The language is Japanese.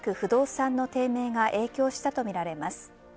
不動産の低迷が影響したとみられます。